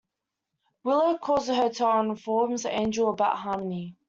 Willow calls the hotel and informs Angel about Harmony.